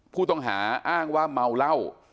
ผู้ต้องหาอ้างว่าเมาเหล้า